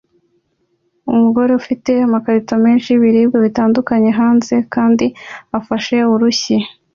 Umugore afite amakarito menshi yibiribwa bitandukanye hanze kandi afashe urushyi